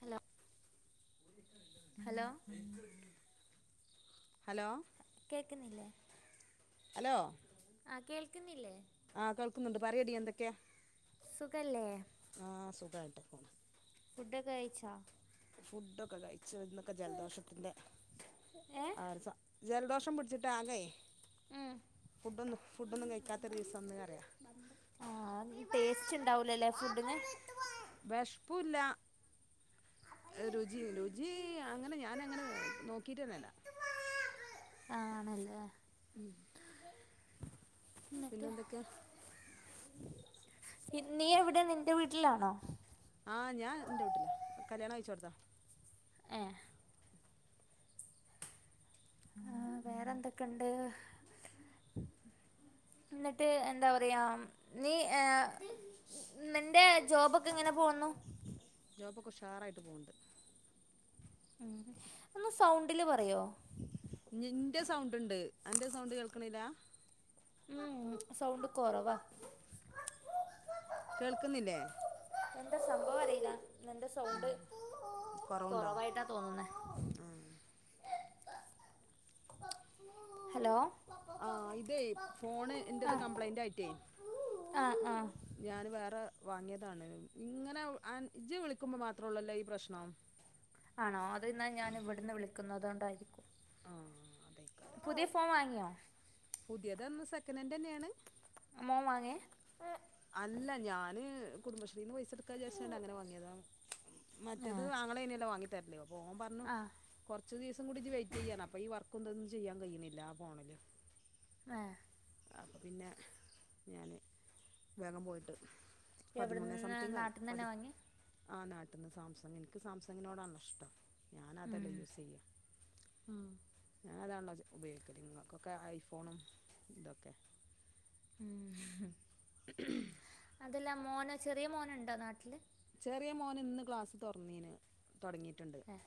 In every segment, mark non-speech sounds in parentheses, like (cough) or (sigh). Hello ഇട്ടല്ല hello hello കേൾക്ക്ന്നില്ലേ hello ആഹ് കേൾക്ക്ന്നില്ലേ ആഹ് കേൾക്കുന്നുണ്ട് പറയെടി എന്തൊക്കെയാ സുഖല്ലേ ആഹ് സുഖയിട്ട് പോണ് ഫുഡ്ക്കെ കഴിച്ചോ ഫുഡൊക്കെ കയിച്ച് ഇന്നൊക്കെ ജലദോഷത്തിന്റെ ഏ ആര്സാ ജലദോഷം പിടിച്ചിട്ട് ആകെ ഉം ഫുഡൊന്നും ഫുഡൊന്നും കഴിക്കാത്തൊരുദിവസംന്ന്പറയാ ആഹ് ടേസ്റ്റ് ഇണ്ടാവൂലല്ലേ ഫുഡിന് വെശ്പ്പുല്ല രുചിയില്ല ജീ അങ്ങനെ ഞാനാങ്ങനെ നോക്കിട്ടന്നല്ല ആണല്ലേ ഉം എന്നട്ട് എന്തൊക്കെയാ ഇന്ന് നീ എവിടെ നിന്റെ വീട്ടിലാണോ ആഹ് ഞാ എന്റെ വീട്ടിലാ കല്യാണ കയിച്ചോടുത്ത ഏഹ് ആഹ് വേറെ എന്തൊക്കെണ്ട് എന്നട്ട് എന്താ പറയാ നീ ഏഹ് നിന്റെ ജോബൊക്കെ ഇങ്ങനെ പോന്നു ജോബൊക്കെ ഉഷാറായിട്ട് പോണ്ട് ഉം ഒന്ന് സൗണ്ടില് പറയോ ഞ്ഞിന്റെ സൗണ്ട്ണ്ട് അന്റെ സൗണ്ട് കേൾക്കണില്ല ഉം സൗണ്ട് കൊറവാ കേൾക്ക്ന്നില്ലേ എന്താ സംഭവംഅറിയില്ല നിന്റെ സൗണ്ട് കൊറവായിട്ടാ തോന്നുന്നെ ആഹ് ഹലോ ആഹ് ഇതേയ് ഫോണ് എന്റത് കംപ്ലൈന്റയിട്ടേ ആഹ് ആഹ് ഞാൻ വേറെ വാങ്ങിയതാണ്. ഇങ്ങനെ ഇജ് വിളിക്കുമ്പോ മാത്രേ ഉള്ളല്ലോ ഈ പ്രശ്നം ആണോ അത്ന്നാ ഞാൻ ഇവടന്ന് വിളിക്കുന്നതോണ്ടായിരിക്കും. ആഹ് പുതിയ ഫോൺവാങ്ങിയോ? പുതിയതെന്ന് സെക്കനൻ്റെന്നെണ്. മോം വാങ്ങേ? അല്ല ഞാന് കുടുംബശ്രീന്ന് പൈസട് ക്കാ വ്ചാര്ച്ചാണ്ട് അങ്ങനെ വാങ്ങിയതാ. ആ മറ്റെത് ആങ്ങളെന്യല്ലോ വാങ്ങിതരല്. അപ്പൊ ഓൻ പറഞ്ഞു ആ കൊർച്ച് ദിവസം കൂടി ഇജ് വെയിറ്റെയ്യ് ർഞ്ഞു. അപ്പം ഈ വർക്കും ന്തൊന്നും ചെയ്യാൻ കയ്യിണ്ല്ല ആ ഫോണില്. മേഹ് അപ്പം പിന്നെ ഞാന് വേഗം പോയിട്ട്. പതിമൂന്നേ എവിടുന്ന് സംതിങായി. നാട്ടിൽ നിന്ന് തന്നെ പതി വാങ്ങി ആഹ് നാട്ട്ന്ന്, സാംസങ്. ഇൻക്ക് സാംസങ്ങിനോടാണല്ലോ ഇഷ്ടം. ഉം, ഞാനതെല്ലേ യൂസെയ്യാ. ഉം. ഞാൻ അതാണല്ലോ ഉപയോഗിക്കല്. ഇങ്ങക്കൊക്കെ ഐഫോണും ഇതൊക്കെ. ഉം. അതല്ല മോനോ, ചെറിയ മോന്ണ്ടോ നാട്ടില്? ചെറിയ മോന് ഇന്ന് ക്ലാസ് തൊറന്നീന്. തൊടങ്ങീട്ട്ണ്ട്. ഏ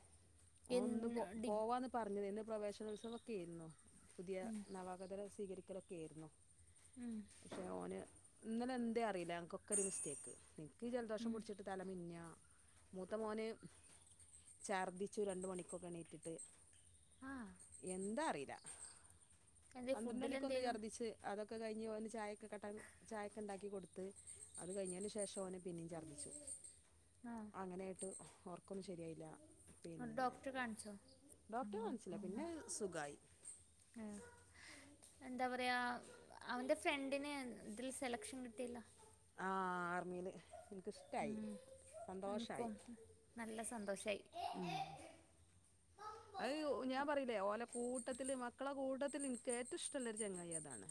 ഓൻ ഇന്ന് എന്ത് പോ ഡി പോവാന്ന് പറഞ്ഞതേ. ഇന്ന് പ്രവേശനോത്സവക്കേര്ന്നു. പുതിയ നവാഗതരെ സ്വീകരിക്കലൊക്കേര്ന്നു. പക്ഷെ ഓന് ഇന്നലെ എന്തേ അറീല്ല. ഞങ്ങക്കോക്കൊര് മിസ്റ്റേക്ക്. ഇൻക്കീ ജലദോഷം പുട് ട്ട് തല മിന്നാ. മൂത്ത മോന് ഛർദിച്ചു രണ്ട് മണിക്കൊക്കെണീറ്റിട്ട്. ആ എന്താ അറീല്ല. എന്തേ പന്ത്രണ്ടണിക്കൊന്ന് ഫുഡിലെന്തേലും ഛർദിച്ച് അതൊക്കെ കഴിഞ്ഞ് ഓന് ചായൊക്കെ കട്ടൻ ചായൊക്കെ ഉണ്ടാക്കി കൊടുത്ത് അത് കഴിഞ്ഞേന് ശേഷം ഓനെ പിന്നിം ഛർദ്ദി ച്ചു. ആഹ്. അങ്ങനെ ആയിട്ട് ഒർക്കൊന്നും ശരിയായില്ല. ഒരു പിന്നെ ഡോക്ടറെ കാണിച്ചോ ഡോക്ടറെ കാണിച്ചില പിന്നത് സുഖായി. ഏഹ്. എന്താ പറയാ അവന്റെ ഫ്രണ്ടിന് ഇതിൽ സെലക്ഷൻ കിട്ടിയല്ലോ. ആഹ് ആർമില്. ഇൻക്ക്ഷ് ഉം ഇൻക്കും നല്ല സന്തോഷായി. ഉം. അത് ഞാൻ പറീല്ലേ ഓലെ കൂട്ടത്തില് മക്കളെ കൂട്ടത്തില് ഇൻക്ക് ഏറ്റവും ഇഷ്ടല്ലൊരു ചെങ്ങായി അതാണ്.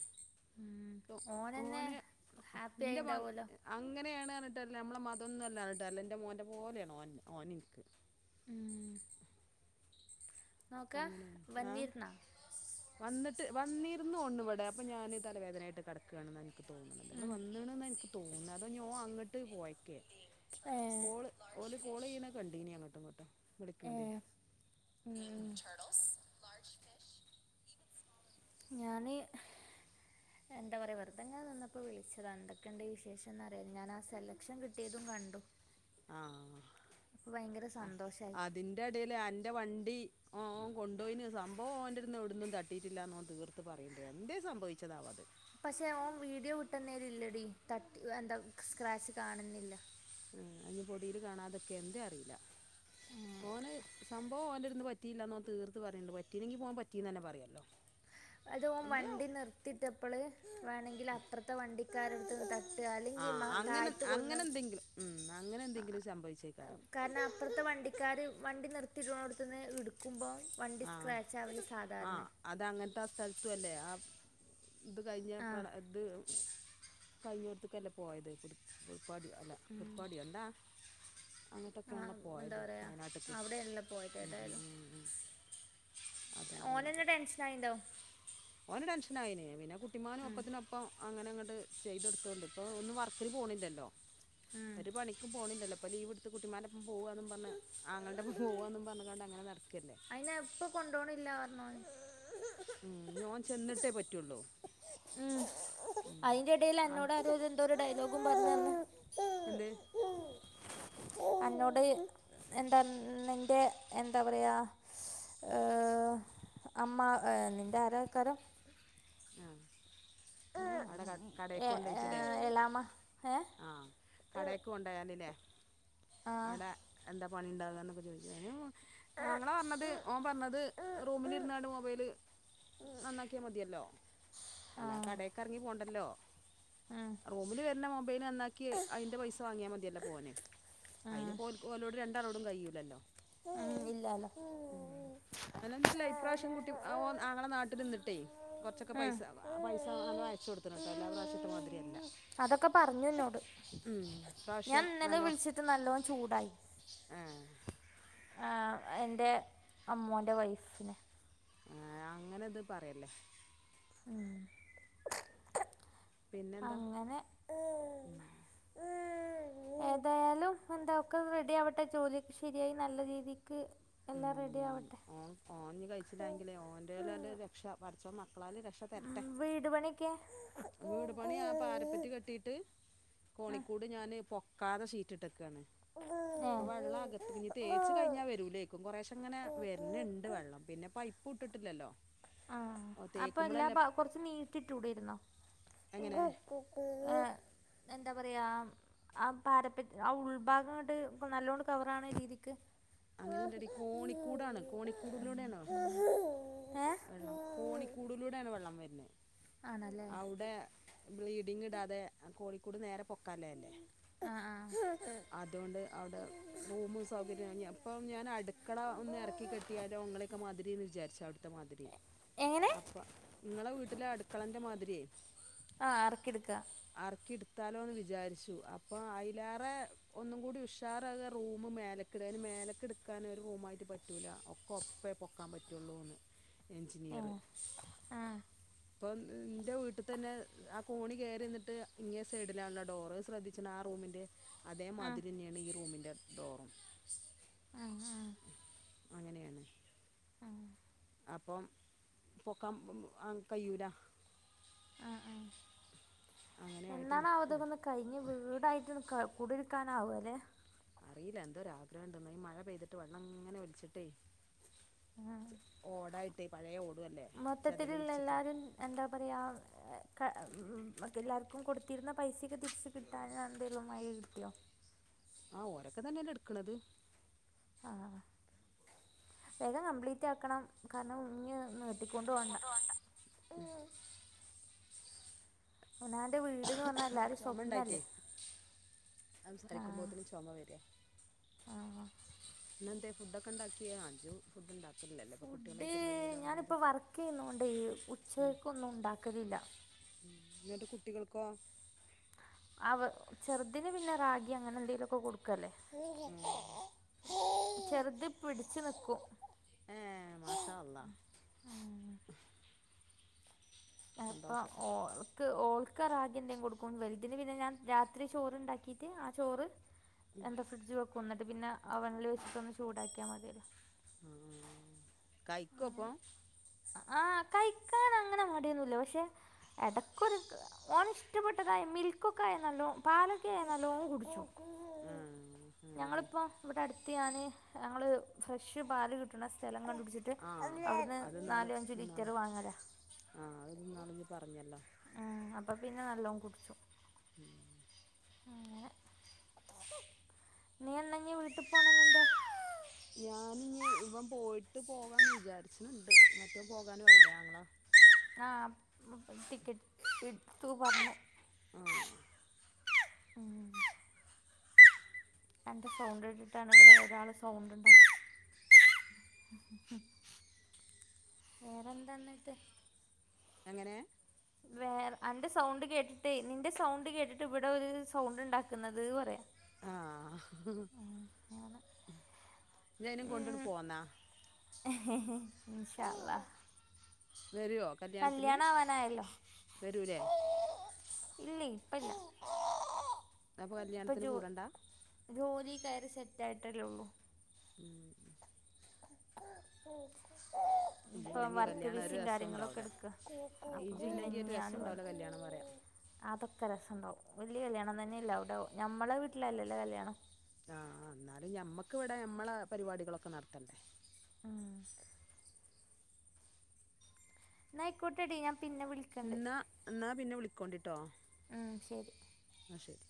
ഉം. ക് ഓനെന്നെ ഓനെ ഹാപ്പി ആയി ഇന്റെ മക് ഉണ്ടാവുമല്ലോ അങ്ങനേണ് പർഞ്ട്ടാര്യല്ല, നമ്മളെ മതൊന്നും അല്ലാ പർഞ്ട്ടാര്യല്ല ഇൻ്റെ മോൻ്റെ പോലേണ് ഓൻ ഓനിൻക്ക്. ഉം. അങ്ങനേണ്. ഏഹ്? വന്നിരുന്നാ വന്നിട്ട് വന്നിരുന്നോൺണ് വടെ. അപ്പം ഞാൻ തലവേദനായിട്ട് കട് ക്കാണ് ന്നാ ഇൻക്ക് തോന്ന്ണത്. ഇവടെ വന്ന്ണ്ന്നാ ഇൻക്ക് തോൺണെ. അതോ ഓൻ ഞ് അങ്ങട്ട് പോയക്കേ. കോള് ഓല് കോളെയ്യ്ണത് കണ്ടീനി. അങ്ങട്ടും ഇങ്ങട്ടും വിളിക്ക്ണതേ. ഉം ഞാന് എന്താ പറയാ വെറുതെങ്ങനെ നിന്നപ്പം വിളിച്ചതാ എന്തൊക്കെണ്ട് വിശേഷം ന്നറിയാന്. ഞാനാ സെലക്ഷൻ കിട്ടിയതും കണ്ടു. ആഹ്. അപ്പോൾ ഭയങ്കര അഹ് സന്തോഷമായി അതിന്റെടേൽ അന്റെ വണ്ടി ഓൻ ഓൻ കൊണ്ടോയിന്, സംഭവം ഓന്റെട്ത്ത്ന്ന് എവിട്ന്നും തട്ടീട്ടില്ലാന്ന് ഓൻ തീർത്ത് പറീണ്ട്. എന്തേ സംഭവിച്ചതാവത്. പക്ഷെ ഓൻ വീഡിയോ വിട്ടന്നേല് ഇല്ലടി തട്ടി എന്താ സ്ക്രാച്ച് കാണുന്നില്ല. ഏഹ് അത് ഞ് പൊടീല് കാണാതെക്കെ എന്തേ അറീല്ല. ഓനത് സംഭവം ഓൻ്റെട്ത്ത്ന്ന് പ റ്റീല്ലാന്ന് തീർത്ത് പറയ്ണ്ട്. പറ്റീനെങ്കിപ്പോൻ പറ്റീന്നെന്നെ പറ്യല്ലോ. അത് ഓൻ വണ്ടി നിർത്തിട്ടപ്പള് വേണെങ്കിൽ അപ്രത്തെ വണ്ടിക്കാരടുത്ത് ത അല്ലെങ്കിൽ ആഹ് മാ അങ്ങനെ താഴ്ത്ത് കൊടുന്ന് അങ്ങനെ എന്തെങ്കിലും ഉം അങ്ങനെ എന്തെങ്കിലും സംഭവിച്ചേക്കാരം കാരണം അപ്പ്റത്തെ വണ്ടിക്കാര് വണ്ടി നിർത്തിയിട്ടോടുത്തുന്ന് എടുക്കുമ്പോ ആഹ് ആത് അങ്ങൻത്തെ സ്ഥലതും അല്ലേ ആഹ് ഇത് കഴിഞ്ഞ ആ പ്ര ഇത് കഴിഞ്ഞോട്ത്തക്കല്ലേ പോയത് പു കുറപ്പാടിയോ അല്ല കുടുപ്പാടിയൊ എന്താ ആ അങ്ങട്ടൊക്കെയാണല്ലോ എന്താ പോയത് പറയുക വയനാട്ട്ക്ക് അവിടെയല്ല ഉം ഉം ഉം അതുകൊണ്ടാണത് ഓനന്നെ ടെൻഷന് ആയിട്ടുണ്ടാകും ഓന് ടെൻഷനായിന് പിന്നെ കുട്ടിമാനും ഒപ്പത്തിനൊപ്പം അങ്ങനെ അങ്ങട്ട് ചെയ്തൊടുത്തോണ്ട് ഇപ്പം ഒന്നും വർക്കിന് പോണില്ലല്ലോ ഒരു പണിക്കും പോണില്ലല്ലോ ഇപ്പ ലീവ്ടുത്ത് കുട്ടിമാന്റെ പോവാന്ന് പറഞ്ഞ് ആങ്ങളുടെ ഒപ്പം പോവാന്നും പറഞ്ഞുങ്ങാണ്ട് അങ്ങനെ നടക്കല്ലേ അയിന് ഇപ്പൊ കൊണ്ടോണില്ല പറഞ്ഞോന് ഉം ഇഞ്ഞ് ഓൻ ചെന്നിട്ടേ പറ്റുള്ളൂ ഉം ഉം അതിന്റെ ഇടേൽ ആ എന്നോട് അതാ എന്തോ ഡയലോഗും പറഞ്ഞു എന്ത് അന്നോട് എന്താ നിന്റെ എന്താ പറയാ ഏഹ് അമ്മ നിന്റെ ആരാക്കാരം ആഹ് അടെ ക കടേ കൊണ്ടോയിട്ടില്ലേ എലാമ ഏ ആഹ് കടെക്ക് കൊണ്ടായാൽ ഇല്ലേ ആ അവിടെ എന്താ പണി ഇണ്ടാവുക എന്നൊക്കെ ചോദിച്ചു അയ്നും ആങ്ങള പറഞ്ഞത് ഓൻ പറഞ്ഞത് റൂമിൽ ഇരുന്നാണ്ട് മൊബൈല് നന്നാക്കിയാൽ മതിയല്ലോ ആ അല്ല കടേക്ക് ഇറങ്ങി പോണ്ടല്ലോ ഉം, റൂമില് വരുന്ന മൊബൈൽ നന്നാക്കി അതിന്റെ പൈസ വാങ്ങിയാൽ മതിയല്ലേ ഓന് ഉം, അയ്ന്പ്പോ ഓലോട് രണ്ടാളോടും കയൂല്ലല്ലോ ഉം ഇല്ലല്ല അൽഹംദുലില്ലാഹ് ഇപ്രാവശ്യം കുട്ടി ഓന് ആങ്ങള നാട്ടിൽ നിന്നിട്ടേ കുറച്ചൊക്കെ ഉം. പൈസ പൈസ നല്ല അയച്ച കൊടുത്തണട്ടോ അല്ലാ പ്രാവശ്യത്തെമാതിരിയല്ല അതൊക്കെ പറഞ്ഞു എന്നോട് ഞാൻ ഇപ്രാവശ്യം ഇന്നലെ വിളിച്ചിട്ട് നല്ലോണം ചൂടായി ആഹ് ആഹ് എൻ്റെ അമ്മോൻ്റെ വൈഫ് ആഹ് അങ്ങനെ ഇത് പറയല്ലേ ഉം പിന്നെന്താ അങ്ങനെ (inaudible) ഉം ഏതായാലും എന്താ ഒക്കെ റെഡി ആവട്ടെ ജോലിയക്കെ ശരിയായി നല്ല രീതിക്ക് ഉം എല്ലാം റെഡി ആവട്ടെ ഓ ഓഞ്ഞ് കഴിച്ചില്ലാങ്കിലേ ഓന്റെ ഉം, ശെ പടച്ചോൻ മക്കളാൽ രക്ഷ തരട്ടെ വീട് പണിക്കെ വീട് പണി ആ പാരപ്പറ്റി കെട്ടിട്ട് കോണിക്കൂട് ഞാന് പൊക്കാതെ ശീ റ്റിട്ടേക്കാണ് ഏ. ഇപ്പൊ വെള്ളം അകത്ത് ഇനി തേച്ച് കഴിഞ്ഞാൽ വരൂലേക്കും കുറശേ അങ്ങനെ വരുന്നുണ്ട് വെള്ളം പിന്നെ പൈപ്പ പൂട്ടിട്ടില്ലല്ലോ ആഹ് അപ്പം എല്ലാ കുറച്ച് നീട്ടിട്ടുടേരുന്നോ എങ്ങനെ ആഹ് എന്താ പറയാ ആഹ് പാര ആഹ് ഉൾഭാഗം ഇങ്ങട്ട് നല്ലോണം കവർ ആവണ രീതിക്ക് അങ്ങനെ ഇല്ലടി കോണിക്കൂടാണ് കോണിക്കൂടിലൂടെ ആണ് ഏഹ് വെള്ളം കോണിക്കൂടിലൂടെയാണ് വെള്ളം വരുന്നെ ആണല്ലേ അവുടെ- ബ്ലീഡിങ് ഇടാതെ ആ കോഴിക്കൂട് നേരെ പൊക്കാല്ലെ അല്ലേ ആഹ്ആഹ് അതോണ്ട് അവ്ടെ റൂമും സൗകര്യം ഞപ്പം ഞാനട്ക്കള ഒന്ന് എറക്കി കെ ട്ടിയാലുംങ്ങളേക്കെ മാതിരീന്ന് വിചാര്ച്ചാ ട്‌ത്തമാതിരി എങ്ങനെ അപ്പ ഇങ്ങളെ വീട്ടിലെ അട്ക്കളന്റമാതിരിയേ ആഹ് ആർക്കിട്ക്കാ ആർക്കിട്ത്താലോന്ന് വിചാരിച്ചു അപ്പൊ അയ്ലേറെ- ഒന്നും കൂടി ഉഷാറാക റൂമ് മേലക്കിട അയ്ന് മേലക്കിട്ക്കാന് ഒരു റൂമായ്ട്ട് പറ്റൂല ഒ കൊപ്പേ പൊക്കാം പറ്റുള്ളൂന്ന് ഏ എഞ്ചിനീറ് ആ ഇപ്പം ഇന്റെ വീട്ടി തന്നെ ആ കോണി കേറ്യന്നിട്ട് ഇങ്ങേ സൈഡിലാണല്ലോ ഡോറ് ശ്രദ്ധി ച്ചി ണാറൂമിൻ്റെ ആ ആ അതേമാതിര്‌യെന്നേണ് ഈ റൂമിൻ്റെ ഡോറും ആ അങ്ങനെയാണ് ആഹ് അപ്പം പൊക്കാം കയ്യൂലാ അങ്ങനെ ആയിട്ട് എന്നാണാവോ നിൽക്കുകയാണ് ഇതൊക്കൊന്ന് കഴി ഞ്ഞ് വീടായിട്ടൊന്ന് കുടിര്ക്കാനാവാ ല്ലേ അറീല എന്തൊരു ആഗ്രഹണ്ടന്നൊ ഈ മഴ പെയ്തിട്ട് വെള്ളംങ്ങനെ ഒലിച്ചിട്ടേ ആ ഓടായിട്ടെ പഴയ ഓടും അല്ലെ ചെതല് മൊത്തത്തിലുള്ള പിടിച്ചിട്ട് എല്ലാവരും എന്താ പറയാ എല്ലാർക്കും കൊടുത്തിര്ന്ന പൈസേക്കെ തിരിച്ച് കിട്ടാഞ്ഞ എന്തേലും വഴി കിട്ടി‌യോ? ആഹ് ഓരൊക്ക തന്നല്ലെ ഇട്ക്ക്ണത് ആഹ് വേഗം കംപ്ലീറ്റ് ആക്കണം കാരണം ഇഞ്ഞ് നീട്ടിക്കൊണ്ടോവണ്ട അവനാന്റെ വീട്ന്ന് പറഞ്ഞാ എല്ലാരേം ചുമ ഉണ്ടായിട്ടേ സ്വപ്നല്ലേ സംസാരിക്കുമ്പോത്തിനും ചൊമ വര്യാ ആ ഇന്നെന്തേ ഫുഡൊക്കെണ്ടാക്കിയാ ഇജ്ജ് ഫുഡ്ണ്ടാ ഫുഡ് ഞാനിപ്പ വർക്കെയ്യുന്നോണ്ടെ ഉച്ചക്കൊന്നും ഉണ്ടാക്കലില്ല എന്നിട്ട് കുട്ടികൾക്കോ? അവ ചെറുതിന് പിന്നെ റാഗി അങ്ങനെന്തേലൊക്കെ കൊടുക്കല്ലേ ഉം ചെറുത് പിടിച്ചു നിക്കും ഏഹ് മാഷാഅള്ളാ ഉം (unintelligible) ഇപ്പം സന്തോഷം ഓൾ ഓൾക്ക് റാഗ്യന്തേം കൊടുക്കും വെൽതിന് പിന്നെ ഞാൻ രാത്രി ചോറ്ണ്ടാക്കിട്ട് ആ ചോറ് എന്താ ഫ്രിഡ്‌ജി വെക്കും ന്നിട്ട് പിന്നെ അവൺല് വെച്ചിട്ടൊന്ന് ചൂടാക്കിയാ മതിയല്ലോ ഉം കയ്ക്കോപ്പം? ആഹ് കഴിക്കാനങ്ങനെ മടിയൊന്നുല്ല പക്ഷെ എടക്കൊരു ഓനിഷ്ടപ്പെട്ടതായ മിൽക്കൊക്കായ നല്ലോം പാലൊക്കായ ന്നല്ലോം കുട്ച്ചും ആ അങ്ങനെയല്ലേ ഞങ്ങളിപ്പം ഇവിടട് ട്ട്യാന് ഞങ്ങള് ഫ്രഷ് പാല് കിട്ട്ണ സ്ഥലം കണ്ടുട്ച്ചിട്ട് ആ അവിട്ന്ന് നാലു അഞ്ചും ലിറ്ററ് വാങ്ങല ആഹ് അഹ് ന്നാളിജ് പറഞ്ഞല്ലോ ആഹ് അപ്പൊ പിന്നെ നല്ലോം കുട്ച്ചും ഉം അങ്ങനെ നീ എന്നാ ഇഞ്ഞ് വീട്ട്പ്പോളെ നിന്റെ? ഞാനിഞ്ഞ് ഇവം പോയിട്ട് പോകാന്ന് വിചാര്‌ച്ച്ണ് ണ്ട് മറ്റോം പോകാനും ആയില്ലേ? ആങ്ങള ആഹ് ടിക്കറ്റ് ഇട്ത്തു പർഞ്ഞു ആഹ് ഉം അൻ്റെ സൗണ്ട് കേട്ടിട്ടാണ് ഇബടെ ഒരാള് സൗണ്ട് ഇണ്ടാക്ക്ണെ വേറെന്താ ന്ന്ട്ട്? എങ്ങനെ? വേറെ അന്റെ സൗണ്ട് കേട്ടിട്ട് നിന്റെ സൗണ്ട് കേട്ടിട്ട് ഇവിടെ ഒരു സൗണ്ട്ണ്ടാക്കുന്നത് പറയ ആഹ് അങ്ങനെ. ഇജ്ജ് അയ്നിം കൊണ്ടട് പോന്നാ ഇൻശാ അല്ലാഹ് വരുവോ കല്യാണത്തിന് കല്യാണാവാനായല്ലോ? വരൂലേ ഇല്ലേ ഇപ്പെല്ല അപ്പോ കല്യാണത്തിന് കൂടെണ്ട ജോലി കയറി സെറ്റായിട്ടല്ലേ ഒള്ളൂ ഉം ആഹ് ഇപ്പം ഇജ്ജില്ലെങ്കി വർക്ക് കല്യാണം ഒരു ബിസിം രസം കാര്യങ്ങളൊക്കെ ഉണ്ടാവൂല എടുക്ക അപ്പ പിന്നെ ഇജ്ജില്ലെങ്കി ഇഞ്ഞ് ഒരു രസം ഞാന് വ ഉണ്ടാവൂല കല്യാണം പറയാ അതൊക്കെ രസണ്ടാവും വല്ല്യ കല്യാണം തന്നെയല്ല അവ്ടെ ഞമ്മളെ വീട്ടിലല്ലല്ലോ കല്യാണം? ആഹ് ആഹ് ഇന്നാലും ഞമ്മക്ക് വടെ ഞ്ഞമ്മളെ പരിപാടികളൊക്കെ നടത്തണ്ടേ ഉം ഇന്നയ്ക്കോട്ടെ ടീ ഞാ പിന്നെ വിളി ഇന്നാ ഇന്നാ പിന്നെ വിളിക്കോണ്ടിട്ടോ? ഉം ശരി ന്നാ ശരി